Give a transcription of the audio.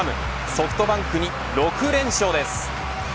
ソフトバンクに６連勝です。